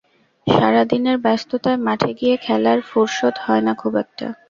সারা দিনের ব্যস্ততায় মাঠে গিয়ে খেলার ফুরসত হয় না খুব একটা।